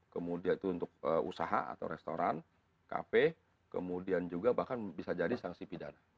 kemudian itu untuk usaha atau restoran kafe kemudian juga bahkan bisa jadi sanksi pidana